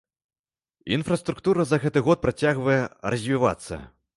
Інфраструктура за гэты год працягвае развівацца.